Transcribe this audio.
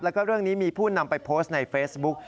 แล้วก็เรื่องนี้มีผู้นำไปโพสต์ในเฟซบุ๊ก